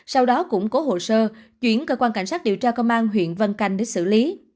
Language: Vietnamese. sau đó củng cố hồ sơ chuyển cơ quan cảnh sát điều tra công an huyện vân canh để xử lý